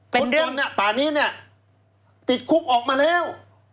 พวกตนป่านนี้ติดคุกออกมาแล้ว